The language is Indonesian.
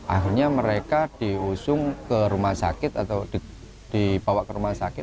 akhirnya mereka diusung ke rumah sakit atau dibawa ke rumah sakit